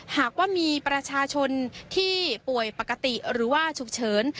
หากว่ามีประชาชนที่ป่วยปกติหรือว่าฉุกเฉิน